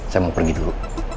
saya mau pergi dulu